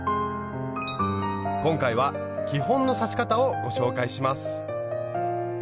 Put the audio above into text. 今回は基本の刺し方をご紹介します。